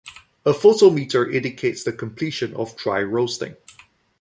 A photometer indicates the completion of dry roasting.